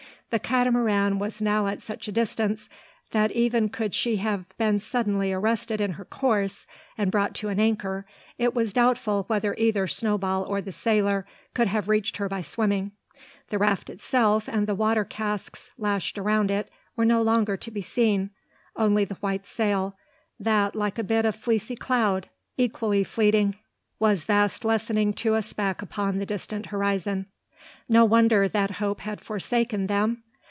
The Catamaran was now at such a distance, that even could she have been suddenly arrested in her course, and brought to an anchor, it was doubtful whether either Snowball or the sailor could have reached her by swimming. The raft itself and the water casks lashed around it were no longer to be seen. Only the white sail, that like a bit of fleecy cloud, equally fleeting, was fast lessening to a speck upon the distant horizon. No wonder that hope had forsaken them!